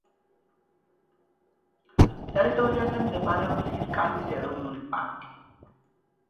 ტერიტორიაზე მდებარეობს ჰირკანის ეროვნული პარკი.